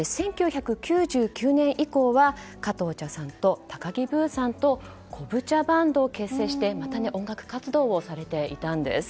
１９９９年以降は加藤茶さんと高木ブーさんとこぶ茶バンドを結成してまた音楽活動をされていたんです。